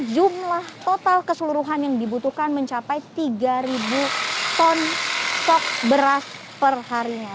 jumlah total keseluruhan yang dibutuhkan mencapai tiga ton stok beras perharinya